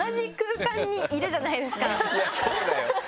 いやそうだよ。